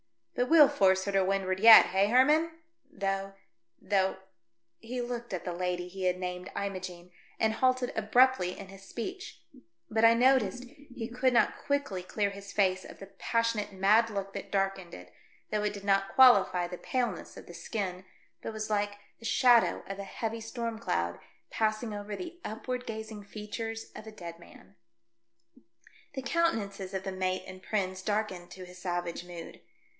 But we'll force her to windward yet — hey, Herman ?— though— though " he looked at the lady he had named Imogene and halted abruptly in his speech, but I noticed he could not quickly clear his face of the passionate mad look that darkened it, though it did not qualify the paleness of the skin, but was like I AM SHOWN A PRESENT FOR MARGARETHA. I 2 I the shadow of a heavy storm cloud passing over the upward gazing features of a dead man. The countenances of the mate and Prins darkened to his savage mood.